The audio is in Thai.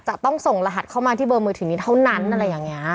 จะต้องส่งรหัสเข้ามาที่เบอร์มือถือนี้เท่านั้นอะไรอย่างนี้